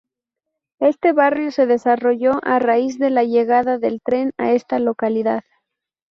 Este barrio se desarrolló a raíz de la llegada del tren a esta localidad.